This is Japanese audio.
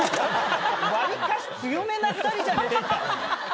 割かし強めな２人じゃねえ⁉